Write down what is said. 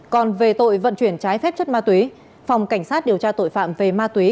còn về tội vận chuyển trái phép chất ma túy phòng cảnh sát điều tra tội phạm về ma túy